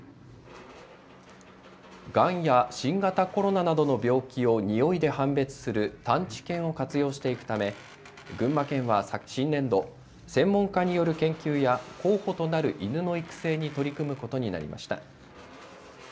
がんや新型コロナなどの病気をにおいで判別する探知犬を活用していくため群馬県は新年度、専門家による研究や候補となる犬の育成に取り組むことになりました。